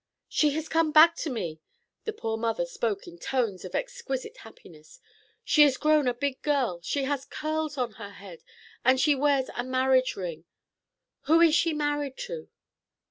"She has come back to me!" The poor mother spoke in tones of exquisite happiness. "She is grown a big girl; she has curls on her head, and she wears a marriage ring. Who is she married to?"